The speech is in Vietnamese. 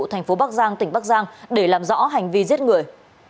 thành phố bắc giang tỉnh bắc giang để làm rõ hành vi giết người